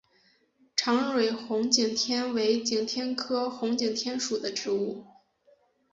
长蕊红景天为景天科红景天属的植物。